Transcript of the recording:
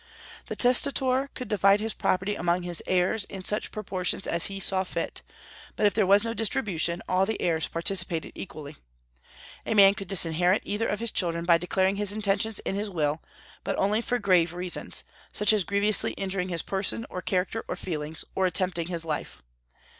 The testator could divide his property among his heirs in such proportions as he saw fit; but if there was no distribution, all the heirs participated equally. A man could disinherit either of his children by declaring his intentions in his will, but only for grave reasons, such as grievously injuring his person or character or feelings, or attempting his life.